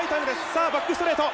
さあバックストレート。